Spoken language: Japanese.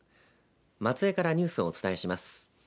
松江からニュースをお伝えします。